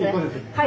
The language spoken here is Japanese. はい。